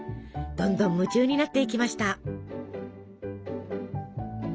どんどん夢中になっていきました。